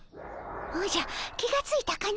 おじゃ気がついたかの。